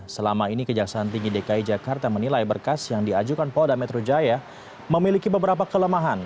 selama ini kejaksaan tinggi dki jakarta menilai berkas yang diajukan polda metro jaya memiliki beberapa kelemahan